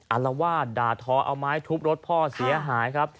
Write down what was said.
อารวาสด่าทอเอาไม้ทุบรถพ่อเสียหายครับ